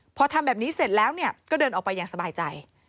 พอทำแบบนี้เสร็จแล้วก็เดินออกไปอย่างสบายใจ